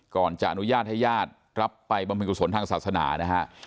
ก่อนจะอนุญาตให้ญาติรับไปบำเพ็ญกุศลทางศาสนานะฮะ